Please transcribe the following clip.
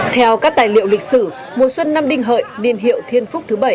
theo các tài liệu lịch sử mùa xuân năm đinh hợi niên hiệu thiên phúc thứ bảy